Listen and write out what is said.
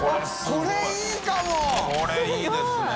これいいですね。